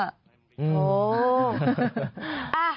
อ่า